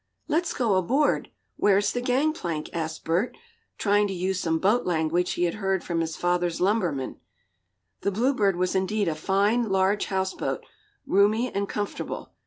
"Let's go aboard where's the gang plank?" asked Bert, trying to use some boat language he had heard from his father's lumbermen. The Bluebird was indeed a fine, large houseboat, roomy and comfortable.